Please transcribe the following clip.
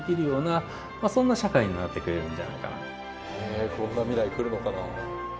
えこんな未来来るのかな。